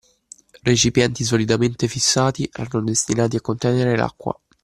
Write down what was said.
Recipienti solidamente fissati erano destinati a contenere l’acqua